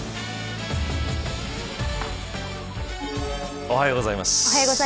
おはようございます。